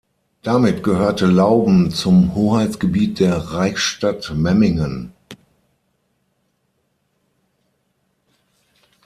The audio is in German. Damit gehörte Lauben zum Hoheitsgebiet der Reichsstadt Memmingen.